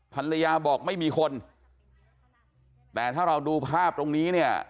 ภรรยาบอกไม่มีคนแต่ถ้าเราดูภาพตรงนี้เนี่ย